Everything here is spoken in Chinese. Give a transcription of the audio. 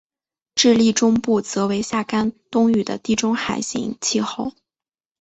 智利中部则为夏干冬雨的地中海型气候。